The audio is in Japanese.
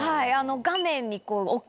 画面に。